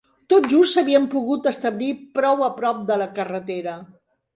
Tot just s'havien pogut establir prou a prop de la carretera